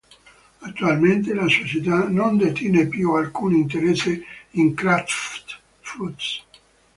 Attualmente la società non detiene più alcun interesse in Kraft Foods.